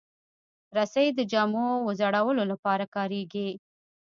رسۍ د جامو وځړولو لپاره کارېږي.